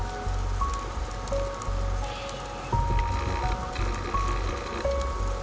jika anda ingin memiliki tempat yang lebih baik